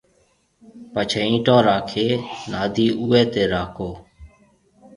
پڇيَ ايِنٽون راکيَ نادَي اوئيَ تيَ راکو